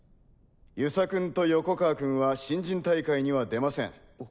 遊佐君と横川君は新人大会には出ません。